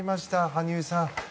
羽生さん。